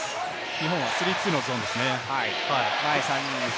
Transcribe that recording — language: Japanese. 日本はスリーツーのゾーンですね。